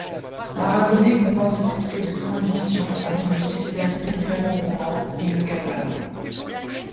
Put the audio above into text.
L'aragonais comporte des traits de transitions entre le système ibéro-roman et le catalan.